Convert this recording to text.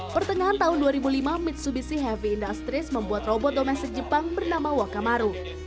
pertengahan tahun dua ribu lima mitsubishi heavy industry membuat robot domestik jepang bernama wakamaru